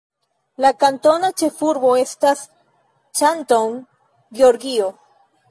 La kantona ĉefurbo estas Canton, Georgio.